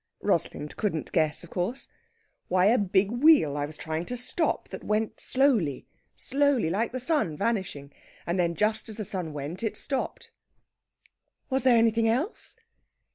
Rosalind couldn't guess, of course. "Why, a big wheel I was trying to stop, that went slowly slowly like the sun vanishing. And then just as the sun went it stopped." "Was there anything else?"